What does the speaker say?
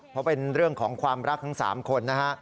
เพราะเป็นเรื่องของความรักทั้ง๓คนนะฮะ